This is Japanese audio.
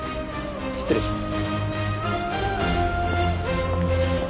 失礼します。